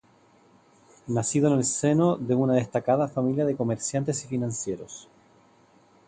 Nacido en el seno de una destacada familia de comerciantes y financieros.